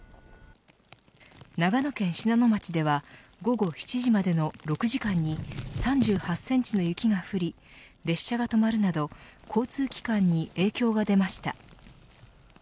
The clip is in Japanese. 長野県信濃町では午後７時までの６時間に３８センチの雪が降り列車が止まるなど交通機関に影響が出ました。